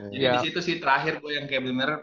jadi disitu sih terakhir gue yang kayak bener bener